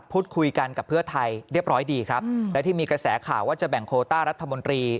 พูดคุยกันกับเพื่อไทยเรียบร้อยดีครับและที่มีกระแสข่าวว่าจะแบ่งโคต้ารัฐมนตรี